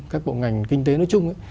các bộ ngành kinh tế nói chung